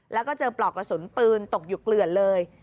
แล้วก็เจอปลอกกระสุนปืนตกอยู่เกลือนเลย